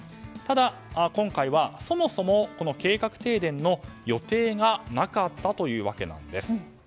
ただ、今回はそもそも計画停電の予定がなかったというわけなんです。